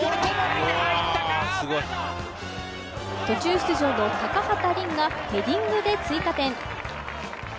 途中出場の高畑涼がヘディングで追加点。